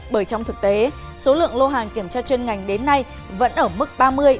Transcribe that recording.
bởi trong thực tế số lượng lô hàng kiểm tra chuyên ngành đến nay vẫn ở mức ba mươi ba mươi năm